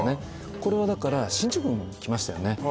これはだから進駐軍が来ましたよね